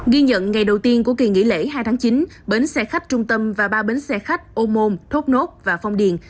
ghi nhận ngày đầu tiên của kỳ nghỉ lễ hai tháng chín bến xe khách trung tâm và ba bến xe khách ô môn thốt nốt và phong điền